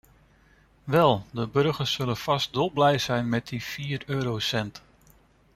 Wel, de burgers zullen vast dolblij zijn met die vier eurocent.